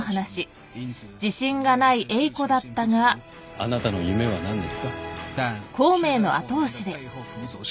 あなたの夢は何ですか？